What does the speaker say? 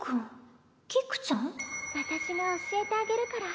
・私が教えてあげるから。